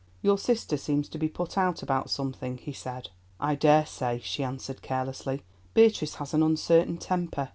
"Your sister seems to be put out about something," he said. "I daresay," she answered carelessly; "Beatrice has an uncertain temper.